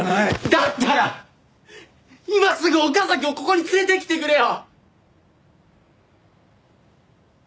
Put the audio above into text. だったら今すぐ岡崎をここに連れてきてくれよ！